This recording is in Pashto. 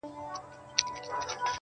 غوږ سه ورته.